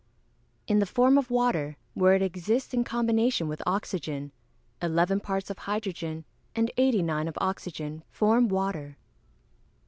_ In the form of water, where it exists in combination with oxygen. Eleven parts of hydrogen, and eighty nine of oxygen, form water.